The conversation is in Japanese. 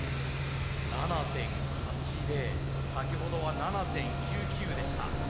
先ほどは７．９９でした。